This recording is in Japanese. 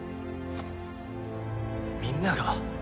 みんなが？